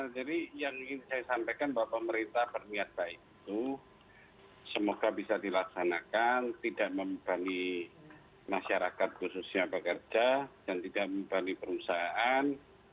jadi yang ingin saya sampaikan bahwa pemerintah berniat baik itu semoga bisa dilaksanakan tidak membali masyarakat khususnya pekerja dan tidak membali perusahaan